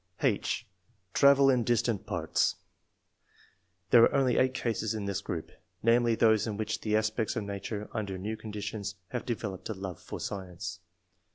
§ H. TRAVEL IN DISTANT PARTS. There are only 8 cases in this group, namely, those in which the aspects of nature under new conditions have developed a love for science.